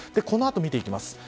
この後、見ていきます。